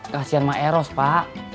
kasian ma eros pak